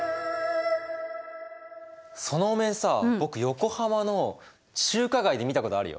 そのお面さ僕横浜の中華街で見たことあるよ。